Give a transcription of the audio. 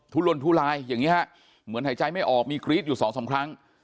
ทุลลนทุลายอย่างนี้เหมือนหายใจไม่ออกมีกรี๊ดอยู่๒๓ครั้ง